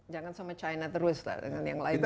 jangan sama china terus lah dengan yang lain